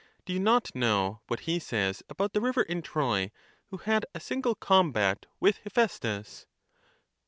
Do you not know what he says about the river in Troy who had a single combat with Hephaestus?